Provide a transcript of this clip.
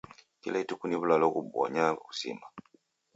Kila ituku ni w'ulalo ghobonya w'uzima.